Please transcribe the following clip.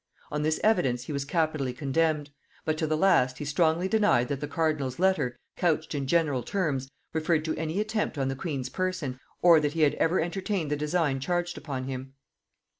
On this evidence he was capitally condemned; but to the last he strongly denied that the cardinal's letter, couched in general terms, referred to any attempt on the queen's person, or that he had ever entertained the design charged upon him.